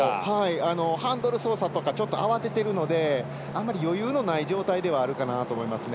ハンドル操作とか慌てているのであまり余裕のない状態ではあるかなと思いますね。